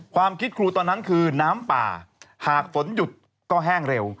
ความคิดครูตอนนั้นคือน้ำป่าหากฝนหยุดก็แห้งเร็ว